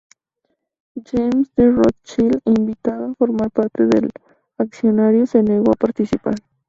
James de Rothschild, invitado a formar parte del accionariado, se negó a participar.